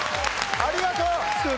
ありがとう！